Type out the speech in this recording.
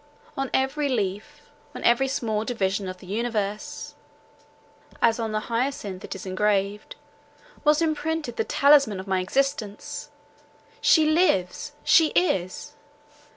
On every leaf, on every small division of the universe, (as on the hyacinth ας is engraved) was imprinted the talisman of my existence—SHE LIVES! SHE IS!